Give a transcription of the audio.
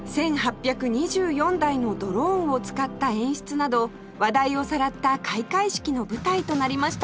１８２４台のドローンを使った演出など話題をさらった開会式の舞台となりました